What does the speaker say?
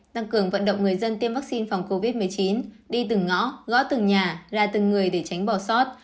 tăng cường vận động người dân tiêm vaccine phòng covid một mươi chín đi từng ngõ gõ từng nhà ra từng người để tránh bỏ sót